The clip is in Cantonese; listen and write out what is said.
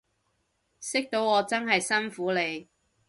識到我真係辛苦你